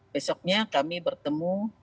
besoknya kami bertemu